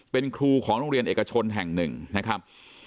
เป็นครูของโรงเรียนเอกชนแห่งหนึ่งนะครับ